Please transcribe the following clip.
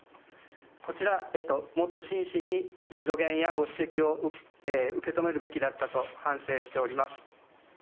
こちら、もっと真摯にご助言やご指摘を受け止めるべきだったと反省しております。